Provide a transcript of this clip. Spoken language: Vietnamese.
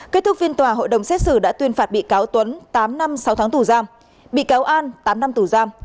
kết thúc phiên tòa hội đồng xét xử đã tuyên phạt bị cáo tuấn tám năm sáu tháng tù giam bị cáo an tám năm tù giam